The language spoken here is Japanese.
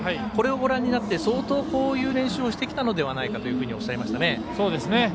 これをご覧になって相当こういう練習をしてきたのではないかとおっしゃいましたね。